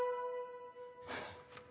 フッ。